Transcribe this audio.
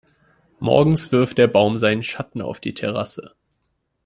Morgens wirft der Baum seinen Schatten auf die Terrasse.